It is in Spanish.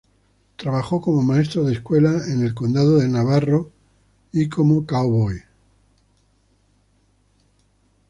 Trabajó como maestro de escuela en el condado de Navarro y como cowboy.